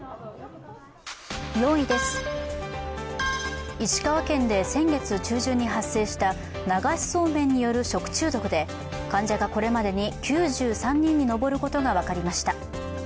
４位です、石川県で先月中旬に発生した流しそうめんによる食中毒で、患者がこれまでに９３人に上ることが分かりました。